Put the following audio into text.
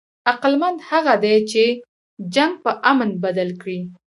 عقلمند هغه دئ، چي جنګ په امن بدل کي.